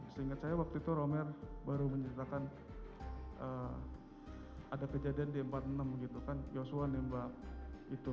seingat saya waktu itu romer baru menceritakan ada kejadian di empat puluh enam gitu kan joshua nembak itu